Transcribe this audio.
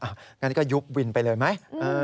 งั้นก็ยุบวินไปเลยไหม